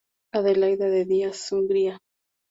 Adelaida de Díaz Ungría.